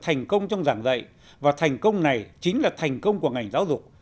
thành công trong giảng dạy và thành công này chính là thành công của ngành giáo dục